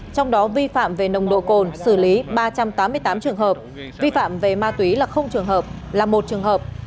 trong đó vi phạm về nồng độ cồn xử lý ba trăm tám mươi tám trường hợp vi phạm về ma túy là trường hợp là một trường hợp